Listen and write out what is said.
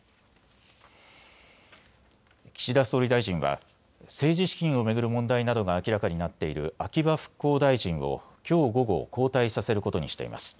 岸田総理大臣は政治資金を巡る問題などが明らかになっている秋葉復興大臣をきょう午後、交代させることにしています。